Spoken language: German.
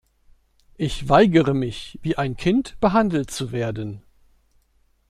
Ich weigere mich , wie ein Kind behandelt zu werden.